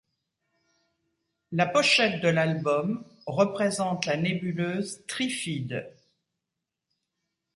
La pochette de l'album représente la Nébuleuse Trifide.